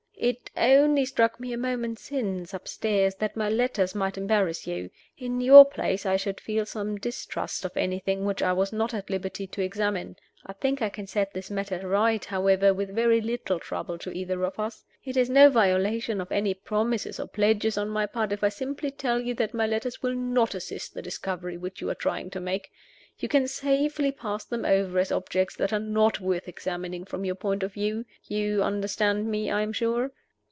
"It only struck me a moment since, upstairs, that my letters might embarrass you. In your place I should feel some distrust of anything which I was not at liberty to examine. I think I can set this matter right, however, with very little trouble to either of us. It is no violation of any promises or pledges on my part if I simply tell you that my letters will not assist the discovery which you are trying to make. You can safely pass them over as objects that are not worth examining from your point of view. You understand me, I am sure?"